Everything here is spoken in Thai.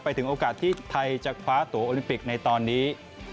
ถึงโอกาสที่ไทยจะคว้าตัวโอลิมปิกในตอนนี้